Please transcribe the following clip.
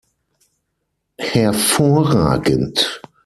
Hervorragend!